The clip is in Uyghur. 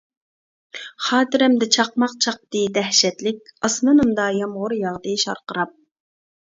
خاتىرەمدە چاقماق چاقتى دەھشەتلىك، ئاسمىنىمدا يامغۇر ياغدى شارقىراپ.